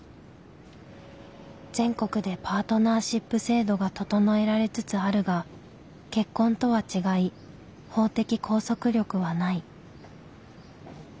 全国でパートナーシップ制度が整えられつつあるが結婚とは違い法的拘束力はない。